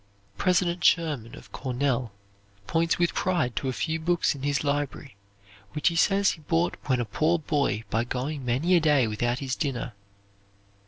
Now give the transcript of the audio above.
President Schurmann of Cornell, points with pride to a few books in his library which he says he bought when a poor boy by going many a day without his dinner.